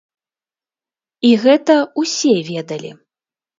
І гэта ўсе ведалі.